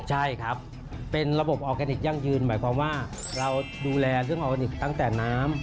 ใช่ครับเป็นระบบออร์แกนิคยั่งยืนหมายความว่าเราดูแลเรื่องออร์แกนิคตั้งแต่น้ำ